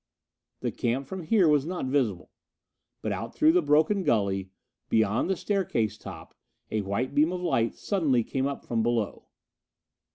The camp from here was not visible. But out through the broken gully, beyond the staircase top, a white beam of light suddenly came up from below.